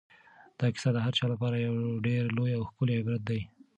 دا کیسه د هر چا لپاره یو ډېر لوی او ښکلی عبرت دی.